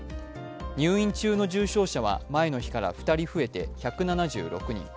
入院中の重症者は前の日から２人増えて、１７６人。